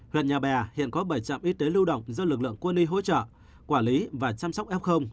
huyện nhà bè hiện có bảy trạm y tế lưu động do lực lượng quân y hỗ trợ quản lý và chăm sóc f